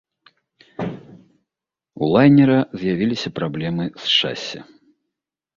У лайнера з'явіліся праблемы з шасі.